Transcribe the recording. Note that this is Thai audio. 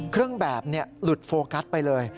เครื่องแบบหลุดโฟกัสไปเลย